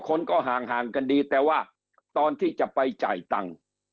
คนก็ห่างกันดีแต่ว่าตอนที่จะไปจ่ายตังค์